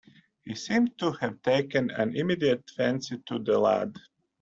He seemed to have taken an immediate fancy to the lad.